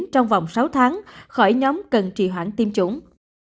trong vòng sáu tháng khỏi nhóm cần trì hoãn tiêm chủng